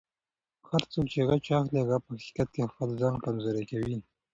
هر څوک چې غچ اخلي، هغه په حقیقت کې خپل ځان کمزوری کوي.